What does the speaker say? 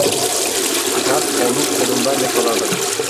Nihat onu kolundan yakaladı: